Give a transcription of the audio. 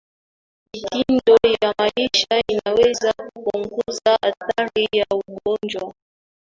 mitindo ya maisha inaweza kupunguza hatari ya ugonjwa